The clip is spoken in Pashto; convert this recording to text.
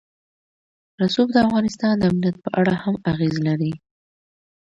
رسوب د افغانستان د امنیت په اړه هم اغېز لري.